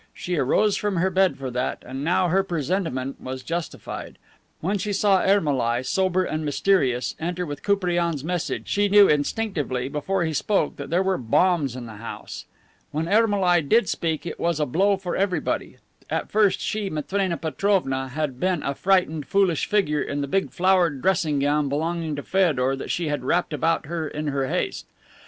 She arose from her bed for that; and now her presentiment was justified. When she saw Ermolai, sober and mysterious, enter with Koupriane's message, she knew instinctively, before he spoke, that there were bombs in the house. When Ermolai did speak it was a blow for everybody. At first she, Matrena Perovna, had been a frightened, foolish figure in the big flowered dressing gown belonging to Feodor that she had wrapped about her in her haste.